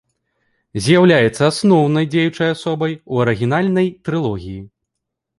З'яўляецца асноўнай дзеючай асобай у арыгінальнай трылогіі.